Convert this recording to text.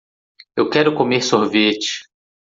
Eu quero comer sorvete